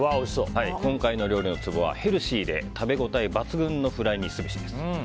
今回の料理のツボはヘルシーで食べ応え抜群のフライにすべしです。